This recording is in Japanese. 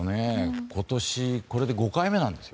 今年これで５回目なんですよ